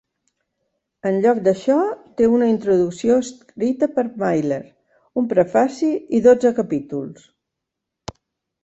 En lloc d'això, té una introducció escrita per Mailer, un prefaci i dotze capítols.